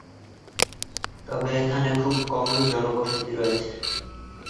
তবে এখানে খুব কমই জনবসতি রয়েছে।